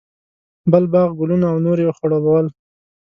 بل باغ، ګلونه او نور یې خړوبول.